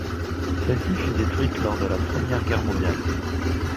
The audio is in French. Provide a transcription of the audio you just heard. Celle-ci fut détruite lors de la première guerre mondiale.